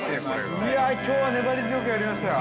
◆きょうは粘り強くやりました。